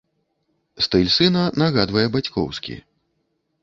Стыль сына нагадвае бацькоўскі.